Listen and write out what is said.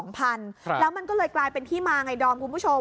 แล้วมันก็เลยกลายเป็นที่มาไงดอมคุณผู้ชม